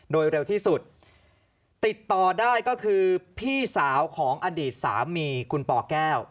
โดยเร็วที่สุดติดต่อได้ก็คือพี่สาวของอดีตสามีคุณปแก้ว